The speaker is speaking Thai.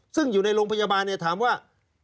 ซึ่งอยู่ในโรงพยาบาลถามว่า